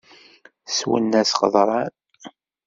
Swen-as qeḍṛan.